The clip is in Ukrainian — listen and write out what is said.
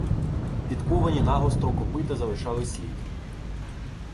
Підковані нагостро копита залишали слід.